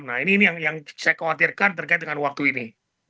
nah ini yang saya khawatirkan terkait dengan waktu ini